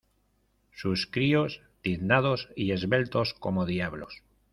sus críos, tiznados y esbeltos como diablos